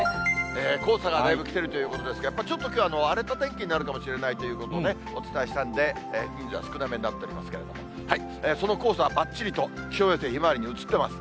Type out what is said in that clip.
黄砂がだいぶ来てるということですが、やっぱちょっときょう、荒れた天気になるかもしれないということをお伝えしたんで、人数は少なめになっておりますけれども、その黄砂はばっちりと気象衛星ひまわりに映ってます。